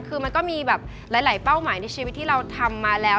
คือมันก็มีแบบหลายเป้าหมายในชีวิตที่เราทำมาแล้ว